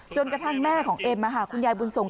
กระทั่งแม่ของเอ็มคุณยายบุญส่ง